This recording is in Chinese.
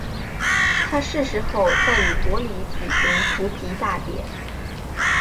他逝世后在以国礼举行荼毗大典。